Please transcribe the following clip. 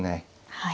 はい。